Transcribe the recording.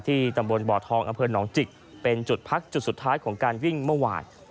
ที่ตำบลบอดทองอนจิกเป็นจุดพักจุดสุดท้ายของการวิ่งเมื่อวาน